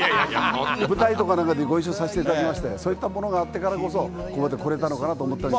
舞台とかなんかでご一緒させていただきまして、そういったがあったからこそ、ここまでこれたのかなと思っています。